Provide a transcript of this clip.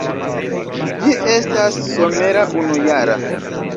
Ĝi estas somera unujara.